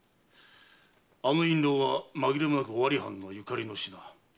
あの印籠はまぎれもなく尾張藩の縁の品。